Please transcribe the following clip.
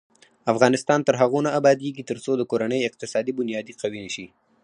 افغانستان تر هغو نه ابادیږي، ترڅو د کورنۍ اقتصادي بنیادي قوي نشي.